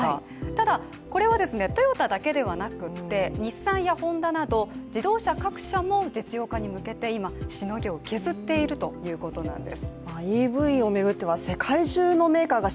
ただこれはトヨタだけではなくて日産やホンダなど自動車各社も実用化に向けてしのぎを削っているということなんです。